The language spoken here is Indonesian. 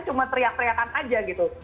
cuma teriak teriakan aja gitu